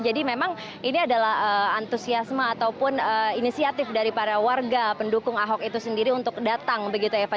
jadi memang ini adalah antusiasme ataupun inisiatif dari para warga pendukung ahok itu sendiri untuk datang begitu eva